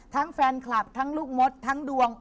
แฟนคลับทั้งลูกมดทั้งดวง